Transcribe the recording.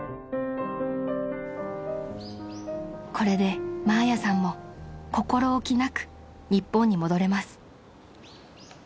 ［これでマーヤさんも心置きなく日本に戻れます］